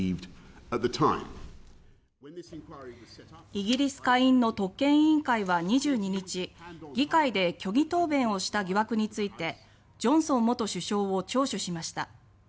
イギリス下院の特権委員会は２２日議会で虚偽答弁をした疑惑についてジョンソン元首相を聴取しました。